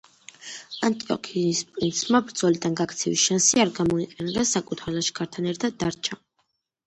ანტიოქიის პრინცმა ბრძოლიდან გაქცევის შანსი არ გამოიყენა და საკუთარ ლაშქართან ერთად დარჩა.